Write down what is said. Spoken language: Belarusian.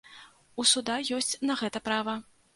У суда ёсць на гэта права.